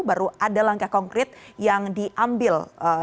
baru ada langkah konkret yang diambil